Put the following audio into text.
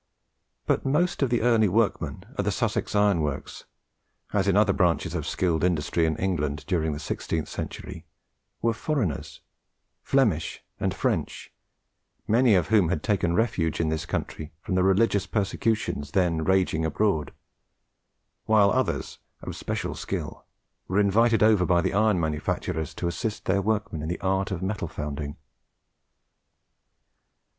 But most of the early workmen at the Sussex iron works, as in other branches of skilled industry in England during the sixteenth century, were foreigners Flemish and French many of whom had taken refuge in this country from the religious persecutions then raging abroad, while others, of special skill, were invited over by the iron manufacturers to instruct their workmen in the art of metal founding.